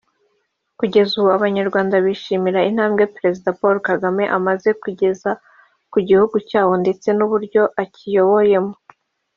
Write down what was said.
Kugeza ubu abanyarwanda bishimira intambwe perezida Paul Kagame amaze kugeza ku gihugu cyabo ndetse n'uburyo akiyoboyemo